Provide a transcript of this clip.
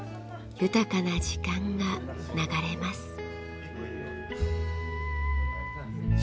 豊かな時間が流れます。